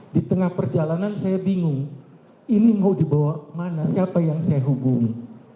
di tengah perjalanan saya bingung ini mau dibawa kemana siapa yang saya hubungi